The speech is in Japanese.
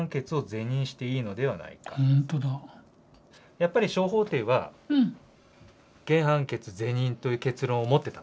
やっぱり小法廷は原判決是認という結論を持ってた。